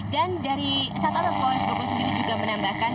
dan dari satu orang kapolres bogor sendiri juga menambahkan